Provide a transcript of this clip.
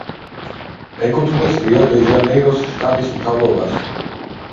ეკუთვნის რიო-დე-ჟანეიროს შტატის მთავრობას.